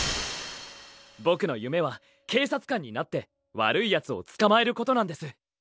ぼくの夢は警察官になって悪いやつをつかまえることなんです。